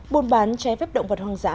buôn bán chế phép động vật hoang dã